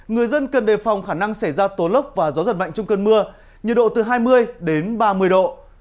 người dân cần đề phòng khả năng xảy ra tố lốc và gió giật mạnh trong cơn mưa nhiệt độ từ hai mươi đến ba mươi độ